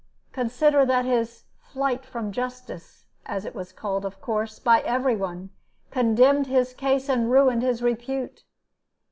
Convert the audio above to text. Consider that his 'flight from justice,' as it was called, of course, by every one, condemned his case and ruined his repute.